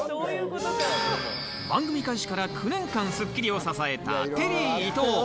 番組開始から９年間『スッキリ』を支えたテリー伊藤。